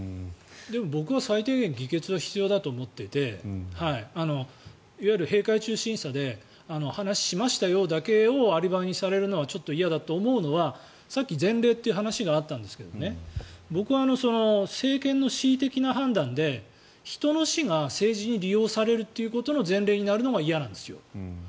僕は最低限議決は必要だと思っていていわゆる閉会中審査で話をしましただけをアリバイにされるのはちょっと嫌だと思うのはさっき前例という話があったんですが僕は政権の恣意的な判断で人の死が政治に利用されるっていうことの前例になるのが嫌なんです。